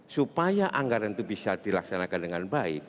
supaya anggaran itu bisa dilaksanakan dengan baik